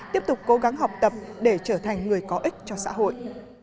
tiếp tục cố gắng học tập để trở thành người có ích cho xã hội